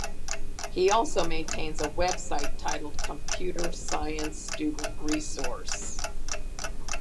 He also maintains a website titled Computer Science Student Resource.